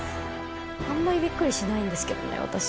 あんまりびっくりしないんですけどね、私。